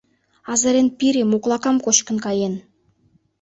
— Азырен пире моклакам кочкын каен...